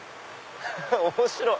面白い！